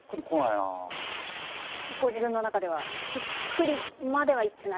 ご自分の中ではしっくりまではいってない？